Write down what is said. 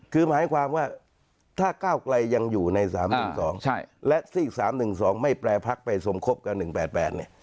คือหมายความว่าถ้าก้าวไกลยังอยู่ใน๓๑๒และซีก๓๑๒ไม่แปรพักไปสมคบกับ๑๘๘เนี่ย